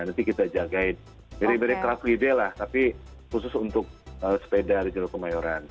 nanti kita jagain beri beri kerap gede lah tapi khusus untuk sepeda di jodoh kemayoran